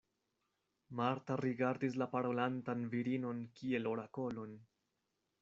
Marta rigardis la parolantan virinon kiel orakolon.